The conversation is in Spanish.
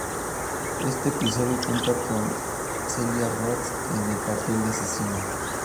Este episodio cuenta con Cecilia Roth, en el papel de asesina.